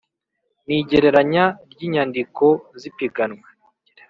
N igereranya ry inyandiko z ipiganwa